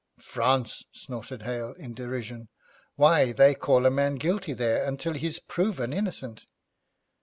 'France,' snorted Hale in derision, 'why, they call a man guilty there until he's proven innocent.'